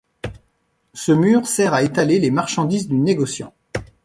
Ce mur sert à étaler les marchandises du négociant.